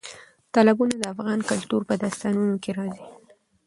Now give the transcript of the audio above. تالابونه د افغان کلتور په داستانونو کې راځي.